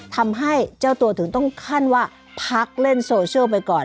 ทำให้เจ้าตัวถึงต้องขั้นว่าพักเล่นโซเชียลไปก่อน